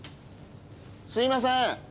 すいません。